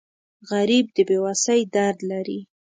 غریب د بې وسۍ درد لري